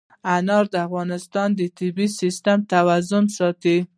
انار د افغانستان د طبعي سیسټم توازن ساتي.